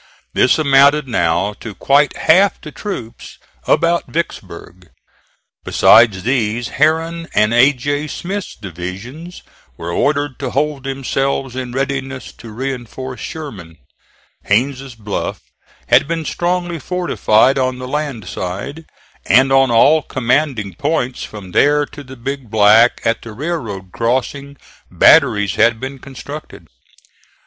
This amounted now to quite half the troops about Vicksburg. Besides these, Herron and A. J. Smith's divisions were ordered to hold themselves in readiness to reinforce Sherman. Haines' Bluff had been strongly fortified on the land side, and on all commanding points from there to the Big Black at the railroad crossing batteries had been constructed.